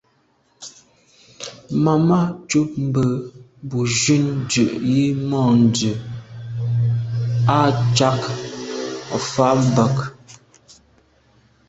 Màmá cúp mbə̄ bù jún ndʉ̌ʼ jí mû’ndʉ̀ à’ cák fá bə̀k.